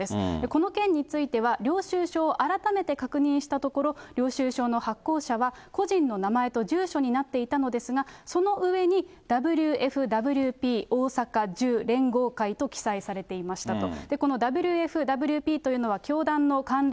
この件については、領収書を改めて確認したところ、領収証の発行者は個人の名前と住所になっていたのですが、その上に、ＷＦＷＰ大阪１０連合会と記載されていましたと。